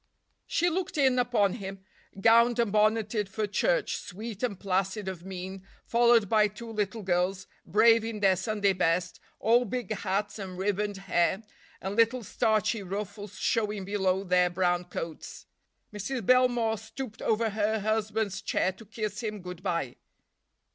She looked in upon him, gowned and bonneted for church, sweet and placid of mien, followed by two little girls, brave in their Sunday best, all big hats and ribboned hair, and little starchy ruffles showing below their brown coats. Mrs. Belmore stooped over her husband's chair to kiss him good by.